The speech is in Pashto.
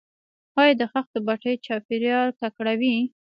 آیا د خښتو بټۍ چاپیریال ککړوي؟